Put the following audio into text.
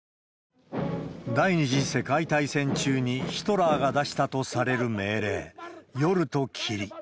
第２次世界大戦中に、ヒトラーが出したとされる命令、夜と霧。